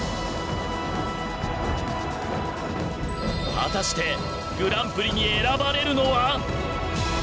果たしてグランプリに選ばれるのは？